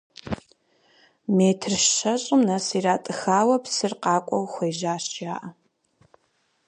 Метр щэщӏым нэс иратӏыхауэ псыр къакӏуэу хуежьащ жаӏэ.